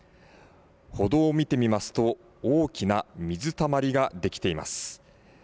歩道を見てみますと、大きな水たまりが出来ています。